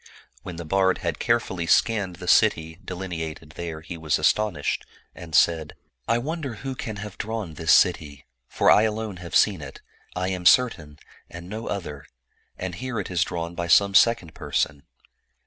When the bard had carefully scanned the city delineated 159 Orietftal Mystery Stories there he was astonished, and said, '' I wonder who can have drawn this city? For I alone have seen it, I am certain, and no other; and here it is drawn by some second person."